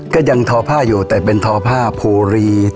ก็ยังทอภาษณ์อยู่แต่เป็นธอภาษณ์โพรี